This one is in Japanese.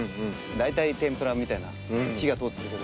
大体天ぷらみたいな火が通って。